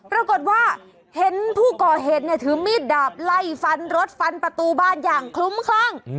ปรากฏว่าเห็นผู้ก่อเหตุเนี่ยถือมีดดาบไล่ฟันรถฟันประตูบ้านอย่างคลุ้มคลั่ง